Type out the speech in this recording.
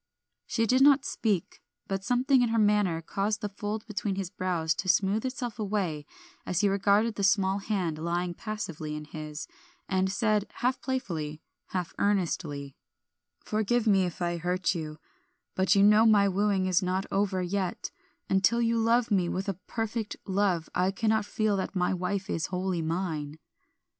She did not speak, but something in her manner caused the fold between his brows to smooth itself away as he regarded the small hand lying passively in his, and said, half playfully, half earnestly "Forgive me if I hurt you, but you know my wooing is not over yet; and till you love me with a perfect love I cannot feel that my wife is wholly mine."